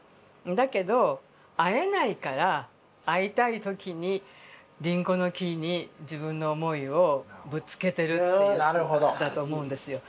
だけど逢えないから逢いたい時に林檎の木に自分の思いをぶつけてるっていう句だと思うんですよ。